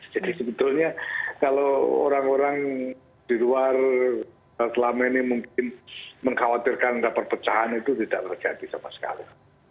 sebetulnya kalau orang orang di luar selama ini mungkin mengkhawatirkan ada perpecahan itu tidak terjadi sama sekali